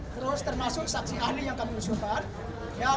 terus termasuk saksi ahli yang kami usufat